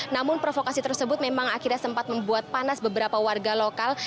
namun provokasi tersebut memang akhirnya sempat membuat panas beberapa warga lokal